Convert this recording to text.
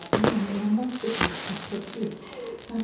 メモってしまいましたつい。